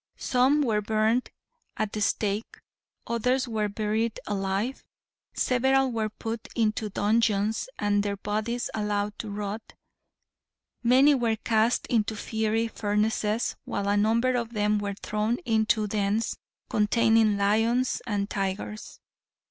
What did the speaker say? Some were burned at the stake; others were buried alive; several were put into dungeons and their bodies allowed to rot; many were cast into fiery furnaces, while a number of them were thrown into dens containing lions and tigers.